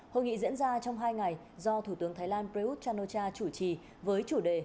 hội nghị diễn ra trong hai ngày do thủ tướng thái lan prayuth chan o cha chủ trì với chủ đề